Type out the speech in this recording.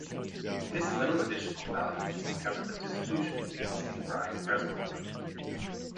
This little additional value is to cover the dissolution with existing brine in reservoir.